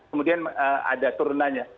kemudian ada turunannya